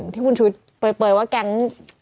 ที่คุณชุวิตเปลยว่าแก๊ง